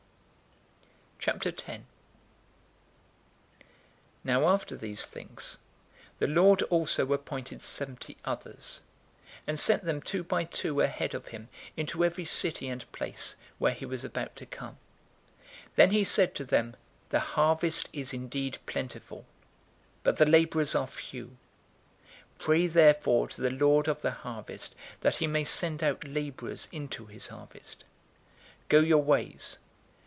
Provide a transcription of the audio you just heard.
010:001 Now after these things, the Lord also appointed seventy others, and sent them two by two ahead of him{literally, "before his face"} into every city and place, where he was about to come. 010:002 Then he said to them, "The harvest is indeed plentiful, but the laborers are few. Pray therefore to the Lord of the harvest, that he may send out laborers into his harvest. 010:003 Go your ways.